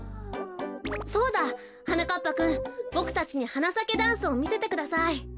そうだはなかっぱくんボクたちに「はなさけダンス」をみせてください。